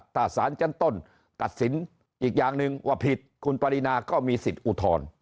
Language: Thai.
ถ้าสารชั้นต้นตัดสินอีกอย่างหนึ่งว่าผิดคุณปรินาก็มีสิทธิ์อุทธรณ์